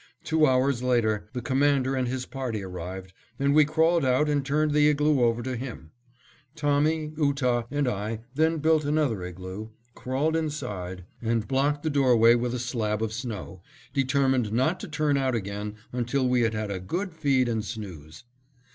Two hours later, the Commander and his party arrived, and we crawled out and turned the igloo over to him. Tommy, Ootah, and I then built another igloo, crawled inside, and blocked the doorway up with a slab of snow, determined not to turn out again until we had had a good feed and snooze.